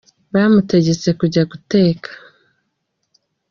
bamutegetse kujya guteka